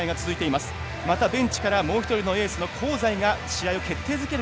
またベンチからもう１人のエースの香西が試合を決定づける